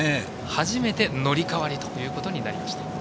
初めて乗り代わりということになりました。